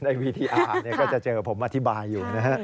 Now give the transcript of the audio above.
ในวิทยาลัยก็จะเจอผมอธิบายอยู่นะครับ